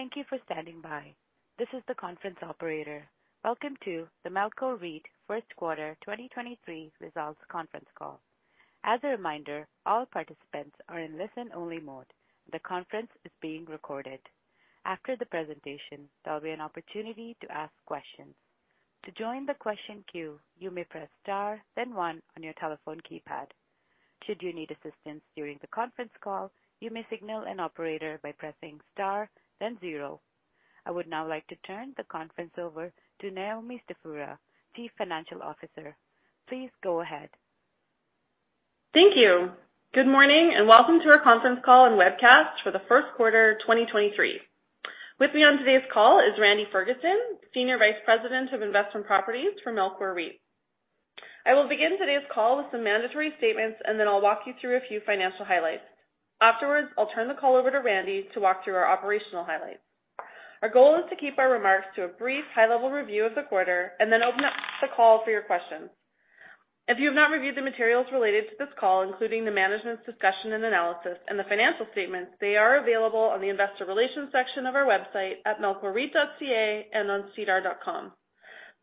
Thank you for standing by. This is the conference operator. Welcome to the Melcor REIT First Quarter 2023 Results Conference Call. As a reminder, all participants are in listen-only mode. The conference is being recorded. After the presentation, there will be an opportunity to ask questions. To join the question queue, you may press star then one on your telephone keypad. Should you need assistance during the conference call, you may signal an operator by pressing star then zero. I would now like to turn the conference over to Naomi Stefura, Chief Financial Officer. Please go ahead. Thank you. Good morning, welcome to our Conference Call and Webcast for the First Quarter 2023. With me on today's call is Randy Ferguson, Senior Vice President of Investment Properties for Melcor REIT. I will begin today's call with some mandatory statements, and then I'll walk you through a few financial highlights. Afterwards, I'll turn the call over to Randy to walk through our operational highlights. Our goal is to keep our remarks to a brief high-level review of the quarter and then open up the call for your questions. If you have not reviewed the materials related to this call, including the management's discussion and analysis and the financial statements, they are available on the investor relations section of our website at melcorreit.ca and on sedar.com.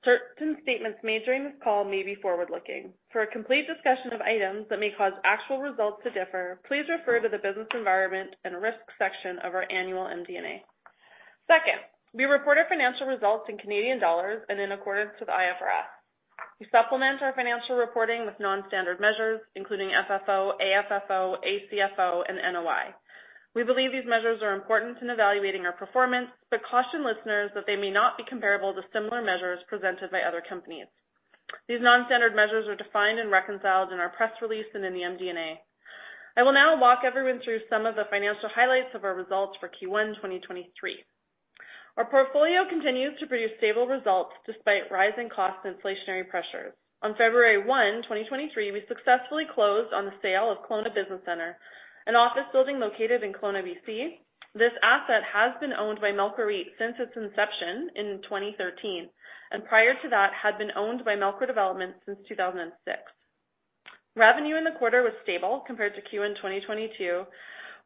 Certain statements made during this call may be forward-looking. For a complete discussion of items that may cause actual results to differ, please refer to the Business Environment and Risk section of our annual MD&A. We report our financial results in Canadian dollars and in accordance to the IFRS. We supplement our financial reporting with non-standard measures, including FFO, AFFO, ACFO, and NOI. We believe these measures are important in evaluating our performance, but caution listeners that they may not be comparable to similar measures presented by other companies. These non-standard measures are defined and reconciled in our press release and in the MD&A. I will now walk everyone through some of the financial highlights of our results for Q1 2023. Our portfolio continues to produce stable results despite rising cost inflationary pressures. On February 1, 2023, we successfully closed on the sale of Kelowna Business Centre, an office building located in Kelowna, BC. This asset has been owned by Melcor REIT since its inception in 2013. Prior to that, had been owned by Melcor Developments since 2006. Revenue in the quarter was stable compared to Q1 2022,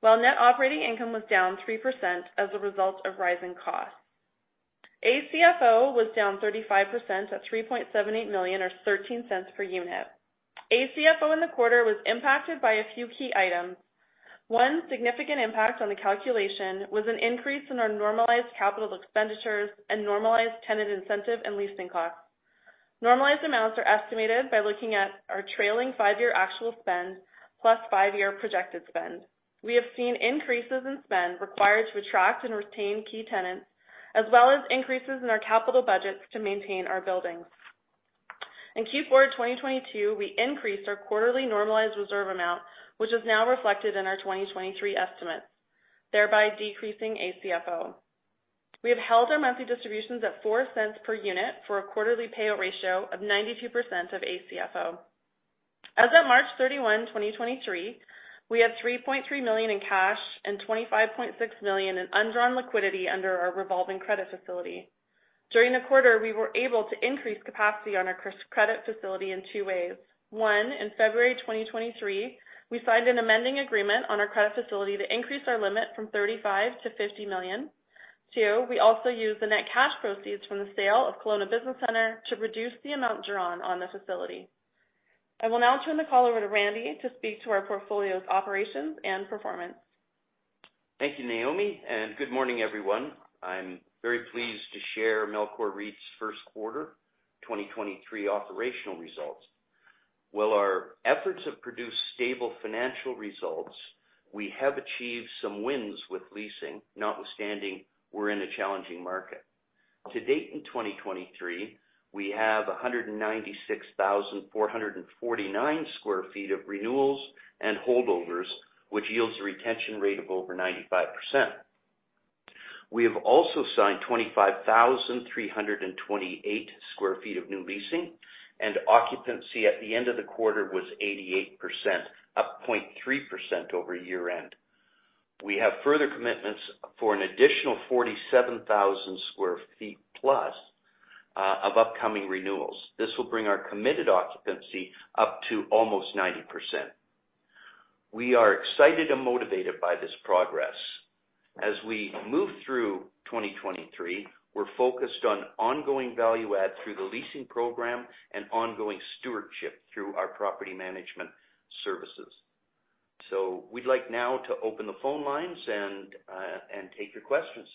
while net operating income was down 3% as a result of rising costs. ACFO was down 35% at 3.78 million or 0.13 per unit. ACFO in the quarter was impacted by a few key items. One significant impact on the calculation was an increase in our normalized capital expenditures and normalized tenant incentive and leasing costs. Normalized amounts are estimated by looking at our trailing 5-year actual spend plus 5-year projected spend. We have seen increases in spend required to attract and retain key tenants, as well as increases in our capital budgets to maintain our buildings. In Q4 2022, we increased our quarterly normalized reserve amount, which is now reflected in our 2023 estimates, thereby decreasing ACFO. We have held our monthly distributions at 0.04 per unit for a quarterly payout ratio of 92% of ACFO. As of March 31, 2023, we have 3.3 million in cash and 25.6 million in undrawn liquidity under our revolving credit facility. During the quarter, we were able to increase capacity on our credit facility in two ways. One, in February 2023, we signed an amending agreement on our credit facility to increase our limit from 35 million to 50 million. Two, we also used the net cash proceeds from the sale of Kelowna Business Centre to reduce the amount drawn on the facility. I will now turn the call over to Randy to speak to our portfolio's operations and performance. Thank you, Naomi, and good morning, everyone. I'm very pleased to share Melcor REIT's first quarter 2023 operational results. While our efforts have produced stable financial results, we have achieved some wins with leasing, notwithstanding we're in a challenging market. To date, in 2023, we have 196,449 sq ft of renewals and holdovers, which yields a retention rate of over 95%. We have also signed 25,328 sq ft of new leasing, and occupancy at the end of the quarter was 88%, up 0.3% over year-end. We have further commitments for an additional 47,000 sq ft plus of upcoming renewals. This will bring our committed occupancy up to almost 90%. We are excited and motivated by this progress. As we move through 2023, we're focused on ongoing value add through the leasing program and ongoing stewardship through our property management services. We'd like now to open the phone lines and take your questions.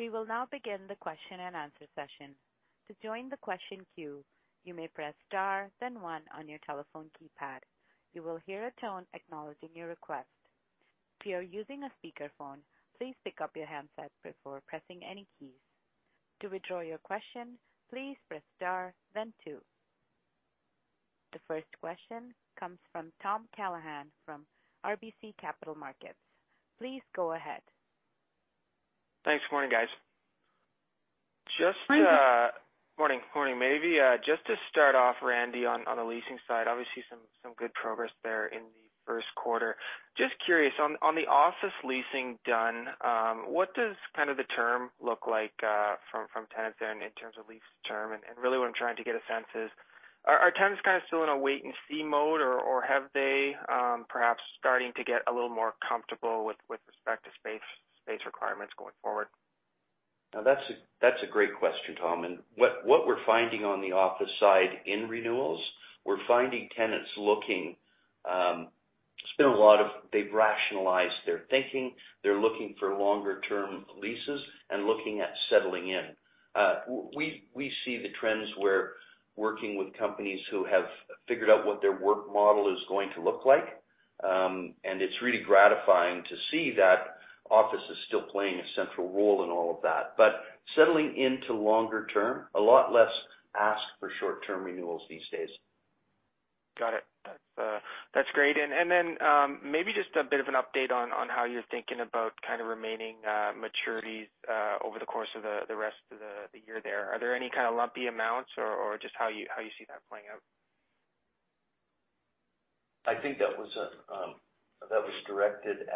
We will now begin the question-and-answer session. To join the question queue, you may press star then one on your telephone keypad. You will hear a tone acknowledging your request. If you are using a speakerphone, please pick up your handset before pressing any keys. To withdraw your question, please press star then two. The first question comes from Tom Callaghan from RBC Capital Markets. Please go ahead. Thanks. Morning, guys. Just. Hi- Morning. Morning. Maybe, just to start off, Randy, on the leasing side, obviously some good progress there in the first quarter. Just curious on the office leasing done, what does kind of the term look like, from tenants then in terms of lease term? Really what I'm trying to get a sense is are tenants kind of still in a wait and see mode, or have they, perhaps starting to get a little more comfortable with respect to space requirements going forward? Now that's a great question, Tom. What we're finding on the office side in renewals, we're finding tenants looking. It's been a lot of they've rationalized their thinking. They're looking for longer-term leases and looking at settling in. We see the trends where working with companies who have figured out what their work model is going to look like, and it's really gratifying to see that office is still playing a central role in all of that. Settling into longer term, a lot less ask for short-term renewals these days. Got it. That's great. Maybe just a bit of an update on how you're thinking about kind of remaining maturities over the course of the rest of the year there. Are there any kind of lumpy amounts or just how you see that playing out? I think that was directed.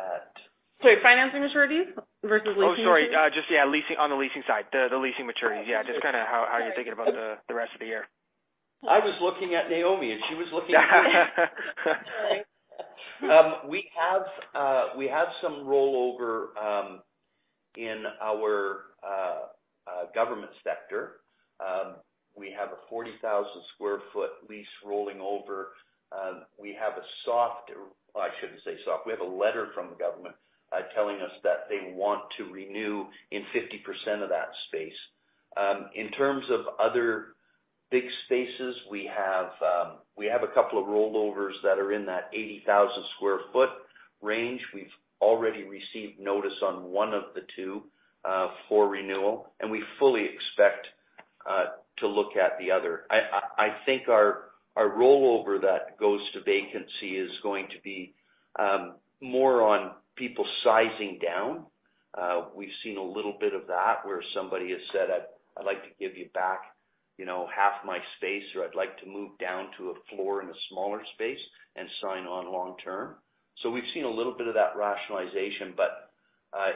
Financing maturities versus leasing maturities? Oh, sorry. Just leasing. On the leasing side. The leasing maturities, just kinda how are you thinking about the rest of the year? I was looking at Naomi, and she was looking at me. Sorry. We have some rollover in our government sector. We have a 40,000 sq ft lease rolling over. We have a letter from the government telling us that they want to renew in 50% of that space. In terms of other big spaces, we have a couple of rollovers that are in that 80,000 sq ft range. We've already received notice on one of the two for renewal, and we fully expect to look at the other. I think our rollover that goes to vacancy is going to be more on people sizing down. We've seen a little bit of that, where somebody has said, "I'd like to give you back, you know, half my space," or, "I'd like to move down to a floor in a smaller space and sign on long term." We've seen a little bit of that rationalization.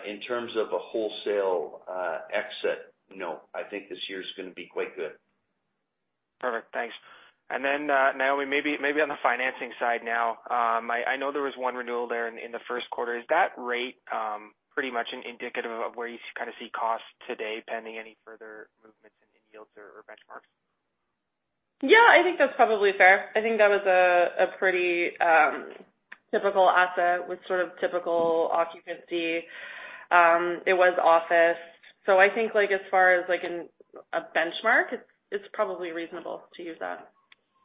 In terms of a wholesale exit, no, I think this year's gonna be quite good. Perfect. Thanks. Naomi, maybe on the financing side now. I know there was one renewal there in the first quarter. Is that rate pretty much indicative of where you kind of see costs today, pending any further movements in yields or benchmarks? Yeah. I think that's probably fair. I think that was a pretty, typical asset with sort of typical occupancy. It was office. I think like as far as like in a benchmark, it's probably reasonable to use that.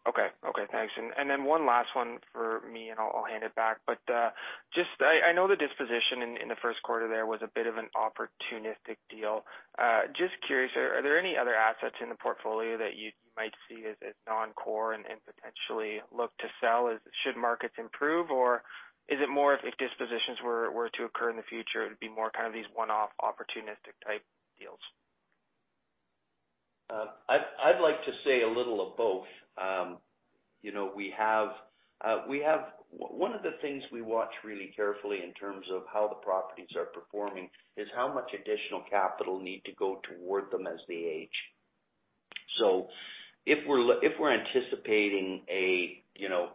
Okay. Okay, thanks. Then one last one for me, and I'll hand it back. Just I know the disposition in the first quarter there was a bit of an opportunistic deal. Just curious, are there any other assets in the portfolio that you might see as non-core and potentially look to sell as should markets improve? Is it more if dispositions were to occur in the future, it would be more kind of these one-off opportunistic type deals? I'd like to say a little of both. you know, One of the things we watch really carefully in terms of how the properties are performing is how much additional capital need to go toward them as they age. If we're anticipating a, you know,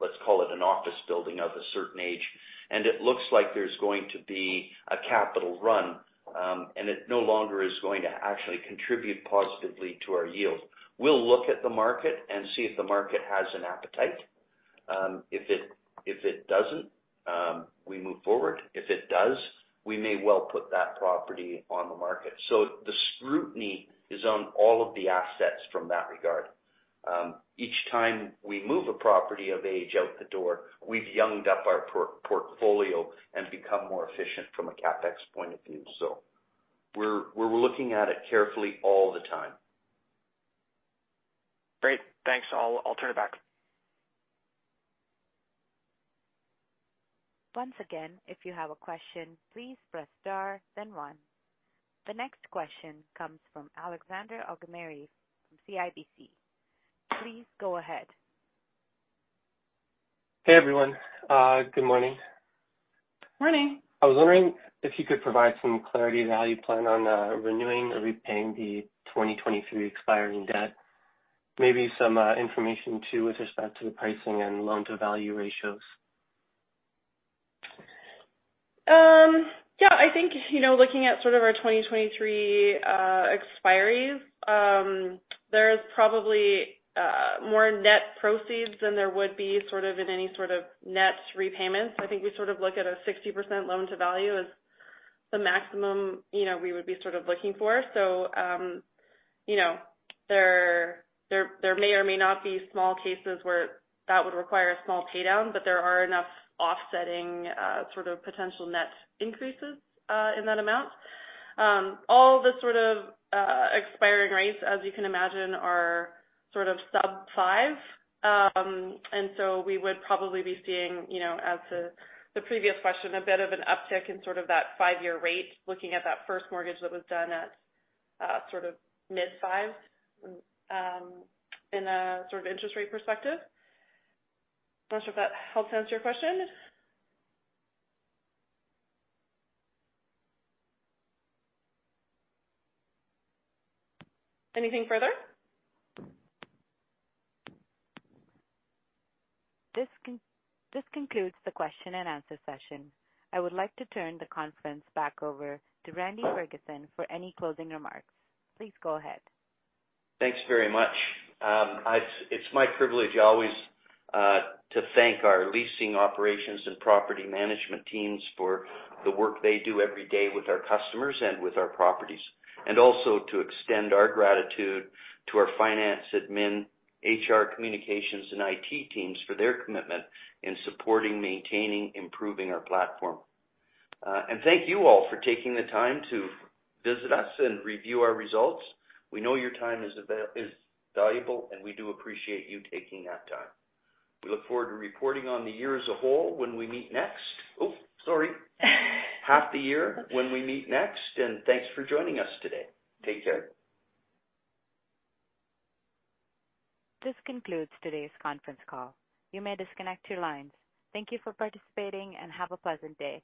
let's call it an office building of a certain age, and it looks like there's going to be a capital run, and it no longer is going to actually contribute positively to our yield, we'll look at the market and see if the market has an appetite. If it doesn't, we move forward. If it does, we may well put that property on the market. The scrutiny is on all of the assets from that regard. Each time we move a property of age out the door, we've younged up our portfolio and become more efficient from a CapEx point of view. We're looking at it carefully all the time. Great. Thanks. I'll turn it back. Once again, if you have a question, please press Star then One. The next question comes from Alexander Augimeri from CIBC. Please go ahead. Hey, everyone. Good morning. Morning. I was wondering if you could provide some clarity on how you plan on renewing or repaying the 2023 expiring debt. Maybe some information too with respect to the pricing and loan-to-value ratios. Yeah, I think, you know, looking at sort of our 2023 expiries, there's probably more net proceeds than there would be sort of in any sort of net repayments. I think we sort of look at a 60% loan-to-value as the maximum, you know, we would be sort of looking for. You know, there may or may not be small cases where that would require a small pay down, but there are enough offsetting sort of potential net increases in that amount. All the sort of expiring rates, as you can imagine, are sort of sub 5. We would probably be seeing, you know, as to the previous question, a bit of an uptick in sort of that 5-year rate, looking at that first mortgage that was done at, sort of mid-5s, in a sort of interest rate perspective. Not sure if that helped answer your question. Anything further? This concludes the question and answer session. I would like to turn the conference back over to Randy Ferguson for any closing remarks. Please go ahead. Thanks very much. It's my privilege always to thank our leasing operations and property management teams for the work they do every day with our customers and with our properties. Also to extend our gratitude to our finance, admin, HR, communications, and IT teams for their commitment in supporting, maintaining, improving our platform. Thank you all for taking the time to visit us and review our results. We know your time is valuable, and we do appreciate you taking that time. We look forward to reporting on the year as a whole when we meet next. Oh, sorry. Half the year when we meet next, and thanks for joining us today. Take care. This concludes today's conference call. You may disconnect your lines. Thank you for participating, and have a pleasant day.